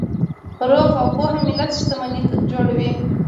روغ او پوهه ملت شتمني جوړوي.